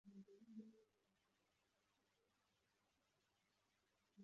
Umugabo wambaye ishati yisine